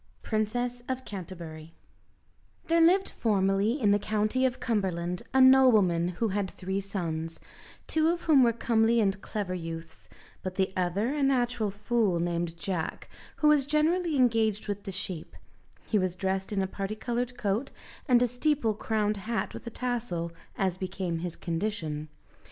Princess of Canterbury There lived formerly in the County of Cumberland a nobleman who had three sons, two of whom were comely and clever youths, but the other a natural fool, named Jack, who was generally engaged with the sheep: he was dressed in a parti coloured coat, and a steeple crowned hat with a tassel, as became his condition.